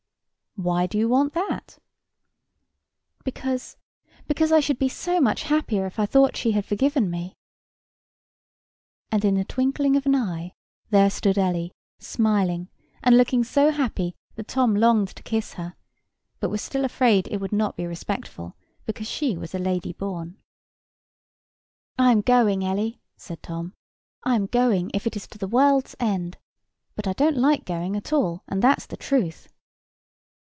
"Why do you want that?" "Because—because I should be so much happier if I thought she had forgiven me." And in the twinkling of an eye there stood Ellie, smiling, and looking so happy that Tom longed to kiss her; but was still afraid it would not be respectful, because she was a lady born. "I am going, Ellie!" said Tom. "I am going, if it is to the world's end. But I don't like going at all, and that's the truth."